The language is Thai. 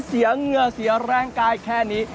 เหงื่อเสียแรงกายแค่นี้